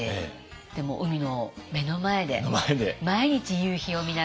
でもう海の目の前で毎日夕日を見ながら。